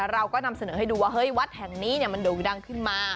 เราก็นำเสนอให้ดูว่าเฮ้ยวัดแห่งนี้มันโด่งดังขึ้นมา